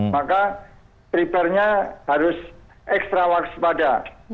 maka pribarnya harus ekstra waks pada